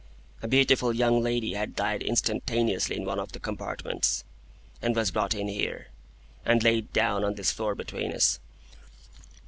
A beautiful young lady had died instantaneously in one of the compartments, and was brought in here, and laid down on this floor between us."